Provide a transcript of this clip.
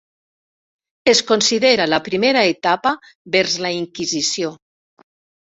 Es considera la primera etapa vers la Inquisició.